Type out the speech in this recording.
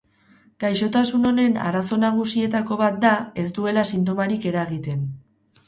Gaixotasun honen arazo nagusietako bat da ez duela sintomarik eragiten.